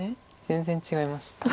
全然違いました。